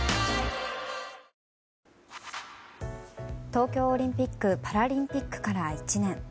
東京オリンピック・パラリンピックから１年。